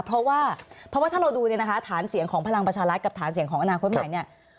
เพราะว่าถ้าเราดูฐานเสียงของพลังประชารัฐกับฐานเสียงของอนาคตใหม่เนี่ย